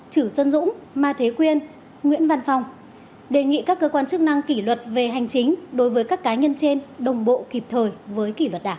chử xuân dũng ma thế quyên nguyễn văn phong đề nghị các cơ quan chức năng kỷ luật về hành chính đối với các cá nhân trên đồng bộ kịp thời với kỷ luật đảng